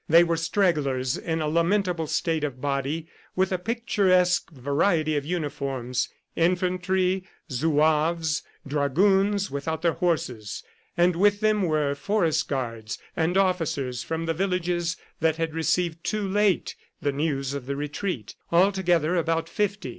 They were stragglers in a lamentable state of body and a picturesque variety of uniforms infantry, Zouaves, dragoons without their horses. And with them were forest guards and officers from the villages that had received too late the news of the retreat altogether about fifty.